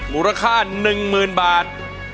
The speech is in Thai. มูลค่า๑๐๐๐บาท